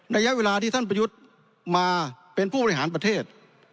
ระยะเวลาที่ท่านประยุทธ์มาเป็นผู้บริหารประเทศ